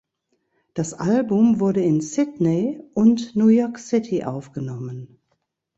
Das Album wurde in Sydney und New York City aufgenommen.